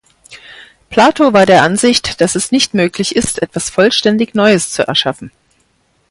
Plato war der Ansicht, dass es nicht möglich ist, etwas vollständig Neues zu erschaffen.